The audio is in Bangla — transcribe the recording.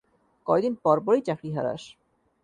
কয়দিন পর পর-ই চাকরি হারাস।